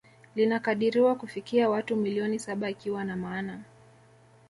Linakadiriwa kufikia watu milioni saba ikiwa na maana